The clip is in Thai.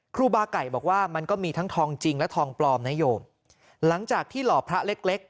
ครูบาไก่บอกว่ามันก็มีทั้งทองจริงและทองปลอมนะโยมหลังจากที่หล่อพระเล็กเล็ก